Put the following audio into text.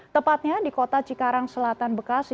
tepatnya di kota cikarang selatan bekasi